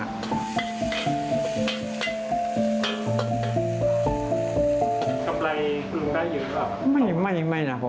ทำอะไรคุณได้หยุดหรือเปล่า